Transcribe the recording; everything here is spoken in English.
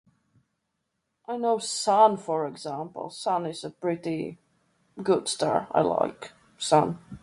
I know Sun for example. Sun is a pretty good star, I like Sun.